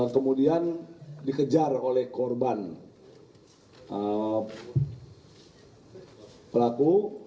kemudian dikejar oleh korban pelaku